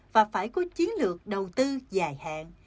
và phải có chiến lược đầu tư dài hạn